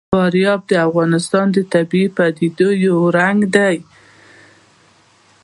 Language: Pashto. فاریاب د افغانستان د طبیعي پدیدو یو رنګ دی.